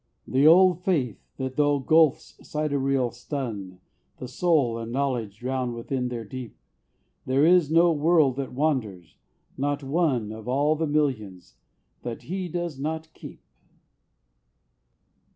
The old faith that tho gulfs sidereal stun The soul, and knowledge drown within their deep, There is no world that wanders, no not one Of all the millions, that He does not keep.